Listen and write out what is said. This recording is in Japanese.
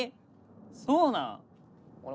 そうなん！？